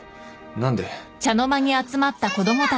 何で？